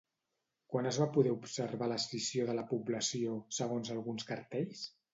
Quan es va poder observar l'escissió de la població, segons alguns cartells?